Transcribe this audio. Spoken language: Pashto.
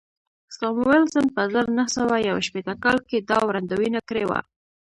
ساموېلسن په زر نه سوه یو شپېته کال کې دا وړاندوینه کړې وه